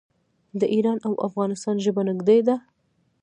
د ایران او افغانستان ژبه نږدې ده.